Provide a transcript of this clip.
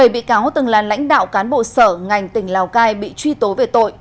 bảy bị cáo từng là lãnh đạo cán bộ sở ngành tỉnh lào cai bị truy tố về tội